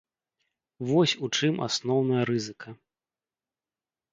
Вось у чым асноўная рызыка.